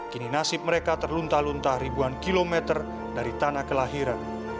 kini nasib mereka terlunta luntah ribuan kilometer dari tanah kelahiran